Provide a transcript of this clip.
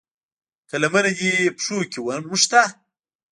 که لمنه دې پښو کې ونښته.